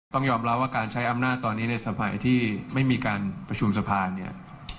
ต้องยอมรับว่าการใช้อำนาจตอนนี้ในสมัยที่ไม่มีการประชุมสะพานเนี่ย